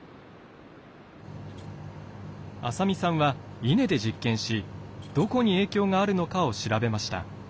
浅見さんはイネで実験しどこに影響があるのかを調べました。